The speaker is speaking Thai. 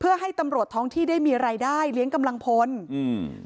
เพื่อให้ตำรวจท้องที่ได้มีรายได้เลี้ยงกำลังพลอืม